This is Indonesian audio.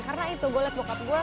karena itu gue liat bokap gue